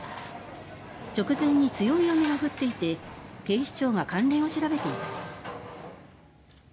直前に強い雨が降っていて警視庁が関連を調べています。